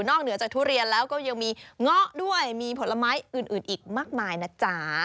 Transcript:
เหนือจากทุเรียนแล้วก็ยังมีเงาะด้วยมีผลไม้อื่นอีกมากมายนะจ๊ะ